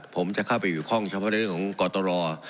ผมจะเข้าไปอยู่กองเฉพาะในเรื่องของกตรห์